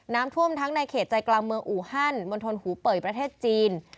น้ำท่วมทั้งในเขตใจกลางเมืองอูฮันมณฑลหูเป่ยประเทศจีน